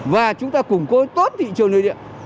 và chúng ta củng cố tốt thị trường nội địa